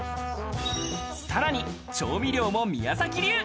さらに調味料も宮崎流。